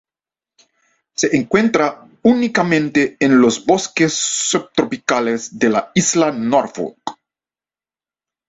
Se encuentra únicamente en los bosques subtropicales de la isla Norfolk.